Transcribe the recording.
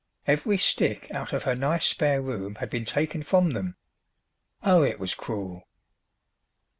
Every stick out of her nice spare room had been taken from them! Oh, it was cruel!